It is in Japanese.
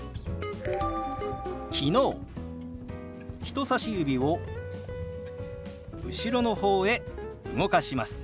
人さし指を後ろの方へ動かします。